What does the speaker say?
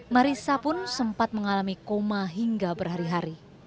marisa pun sempat mengalami koma hingga berhari hari